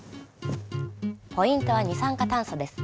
ポイントは二酸化炭素です。